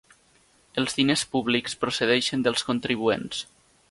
Els diners públics procedeixen dels contribuents.